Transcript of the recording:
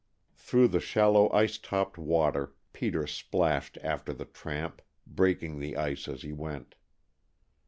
Through the shallow ice topped water Peter splashed after the tramp, breaking the ice as he went.